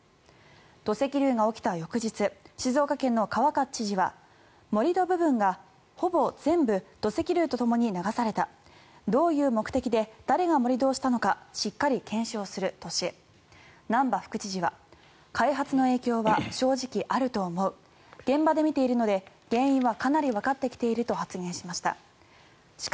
土石流が起きた翌日静岡県の川勝知事は盛り土部分がほぼ全部土石流とともに流されたどういう目的で誰が盛り土をしたのかしっかり検証するとし難波副知事は開発の影響は正直あると思う現場で見ているので原因はかなりわかってきていると発言しました。